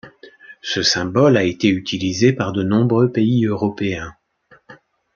Ce symbole a été utilisé par de nombreux pays européens.